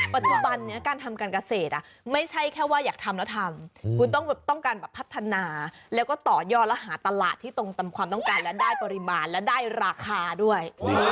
ปัจจุบันนี้การทำการเกษตรไม่ใช่แค่ว่าอยากทำแล้วทำคุณต้องการแบบพัฒนาแล้วก็ต่อยอดและหาตลาดที่ตรงตามความต้องการและได้ปริมาณและได้ราคาด้วย